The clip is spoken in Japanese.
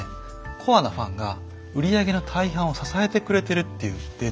コアなファンが売上の大半を支えてくれてるっていうデータがあります。